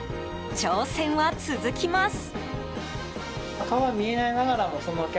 挑戦は続きます。